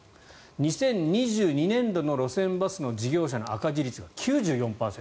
２０２２年度の路線バスの事業者の赤字率が９４％。